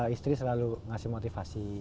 istri selalu ngasih motivasi